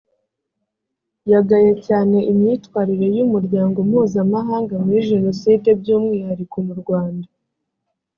yagaye cyane imyitwarire y umuryango mpuzamahanga muri jenoside by’ umwihariko mu rwanda